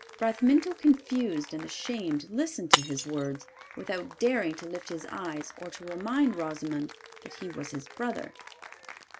Bramintho, confused and ashamed, listened to his words without daring to lift his eyes or to remind Rosimond that he was his brother.